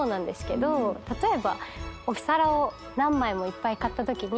例えばお皿を何枚もいっぱい買ったときに。